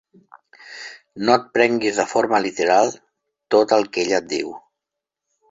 No et prenguis de forma literal tot el que ella et diu.